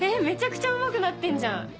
めちゃくちゃうまくなってんじゃん！